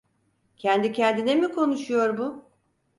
Kendi kendine mi konuşuyor bu?